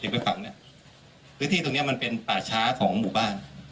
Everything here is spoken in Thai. พื้นที่ตรงนี้เป็นป่าช้าของหมู่บ้าน